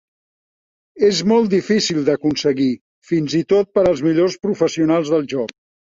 És molt difícil d'aconseguir, fins i tot per als millors professionals del joc.